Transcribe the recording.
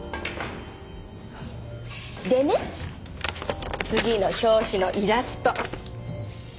でね次の表紙のイラスト。